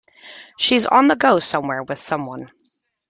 She's on the go somewhere, with some one.